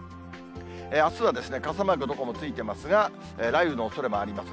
あすは傘マーク、どこもついてますが、雷雨のおそれもあります。